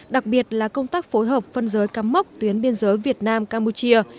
đặc biệt là công tác phối hợp phân giới cắm mốc tuyến biên giới việt nam campuchia